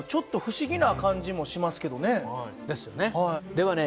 ではね